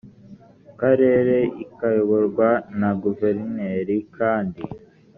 karere ikayoborwa na guverineri kandi